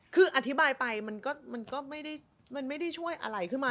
คืออธิบายไปมันก็ไม่ได้มันไม่ได้ช่วยอะไรขึ้นมา